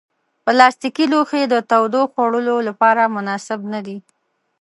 پلاستيکي لوښي د تودو خوړو لپاره مناسب نه دي.